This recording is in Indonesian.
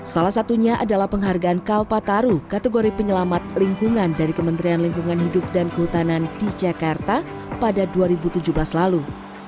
salah satunya adalah penghargaan kalpataru kategori penyelamat lingkungan dari kementerian lingkungan hidup dan kehutanan di jakarta pada dua ribu tujuh belas lalu